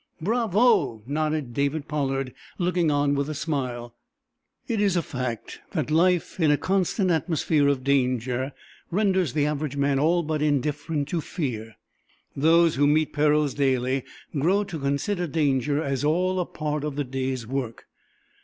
"Bravo!" nodded David Pollard, looking on with a smile. It is a fact that life in a constant atmosphere of danger renders the average man all but indifferent to fear. Those who meet perils daily grow to consider danger as all a part of the day's work.